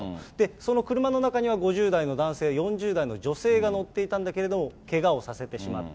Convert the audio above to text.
その車の中には５０代の男性、４０代の女性が乗っていたんだけれども、けがをさせてしまった。